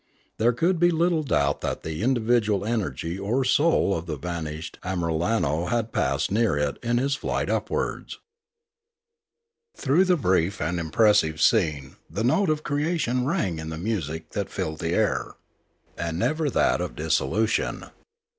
There could be little doubt that the individual energy or soul of the vanished Amiralno had passed near it in his flight upwards. Through the brief and impressive scene the note of creation rang in the music that filled the air, and never that of dissolution.